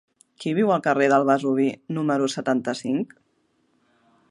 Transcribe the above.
Qui viu al carrer del Vesuvi número setanta-cinc?